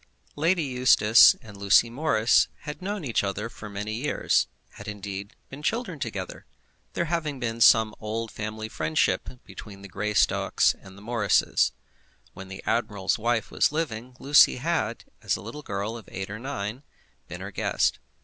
Lady Eustace and Lucy Morris had known each other for many years, had indeed been children together, there having been some old family friendship between the Greystocks and the Morrises. When the admiral's wife was living, Lucy had, as a little girl of eight or nine, been her guest.